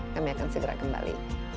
kami akan segera kembali